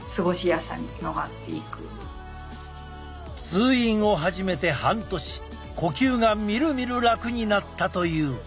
通院を始めて半年呼吸がみるみる楽になったという。